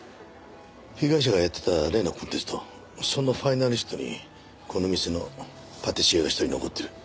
被害者がやってた例のコンテストそのファイナリストにこの店のパティシエが１人残ってる。